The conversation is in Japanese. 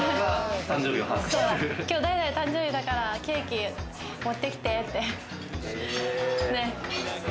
今日、誰々が誕生日だからケーキ持ってきてって。